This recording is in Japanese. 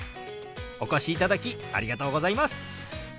お越しいただきありがとうございます！